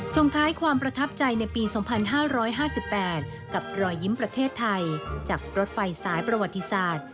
ส่งท้ายความประทับใจในปี๒๕๕๘กับรอยยิ้มประเทศไทยจากรถไฟสายประวัติศาสตร์